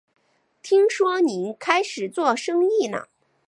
听说你开始做生意了